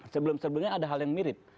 sebelum sebelumnya ada hal yang mirip